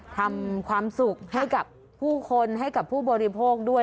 ทำความสุขให้กับผู้คนให้กับผู้บริโภคด้วย